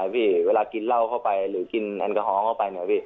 หรือเวลากินเหล้าเข้าไปหรือกินแอลกอฮอล์เข้าไป